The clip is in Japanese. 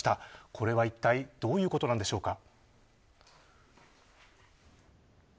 これはいったいどういうことなのでしょうか。